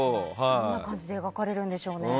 どんな感じで描かれるんでしょうね。